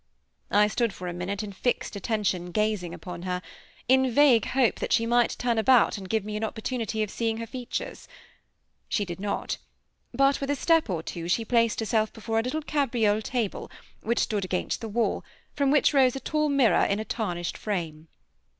I stood for a minute in fixed attention, gazing upon her, in vague hope that she might turn about and give me an opportunity of seeing her features. She did not; but with a step or two she placed herself before a little cabriole table, which stood against the wall, from which rose a tall mirror in a tarnished frame.